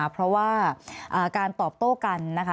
เพราะว่าการตอบโต้กันนะคะ